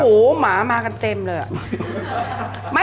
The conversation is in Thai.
หูหูหูหูหูม้ามากันเต็มเลยอะ